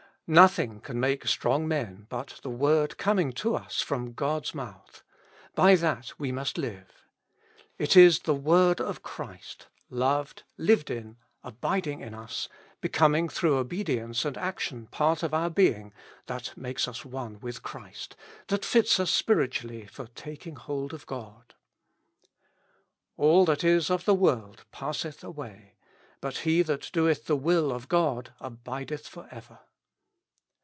Nothing can make strong men but the word coming to us from God's mouth : by that we must live. It is the word of Christ, loved, lived in, abiding in us, becoming through obedience and action part of our being, that makes us one with Christ, that fits us spiritually for taking hold of God. All that is of the world passeth away ; he that doeth the will of God abideth for ever.